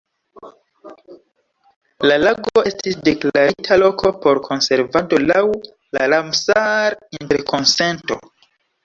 La lago estis deklarita loko por konservado laŭ la Ramsar-Interkonsento.